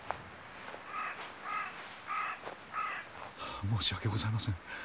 あ申し訳ございませぬ。